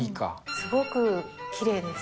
すごくきれいです。